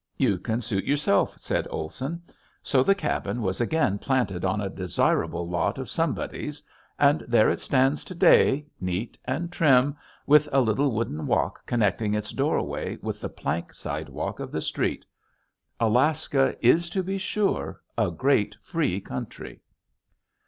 "You can suit yourself," said Olson. So the cabin was again planted on a "desirable" lot of somebody's, and there it stands to day, neat and trim, with a little wooden walk connecting its doorway with the plank sidewalk of the street. Alaska is, to be sure, a great free country!